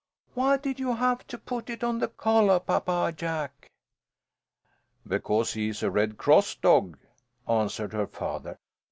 Why did you have it put on the collah, Papa Jack?" "Because he is a Red Cross dog," answered her father.